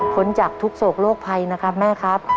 จากทุกโศกโรคภัยนะครับแม่ครับ